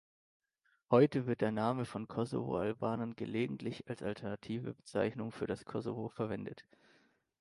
Heute wird der Name von Kosovo-Albanern gelegentlich als alternative Bezeichnung für das Kosovo verwendet.